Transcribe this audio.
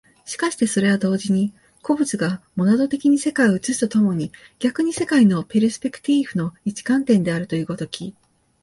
しかしてそれは同時に個物がモナド的に世界を映すと共に逆に世界のペルスペクティーフの一観点であるという如き、